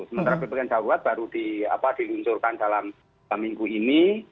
sementara ppkm jauh rurat baru diluncurkan dalam minggu ini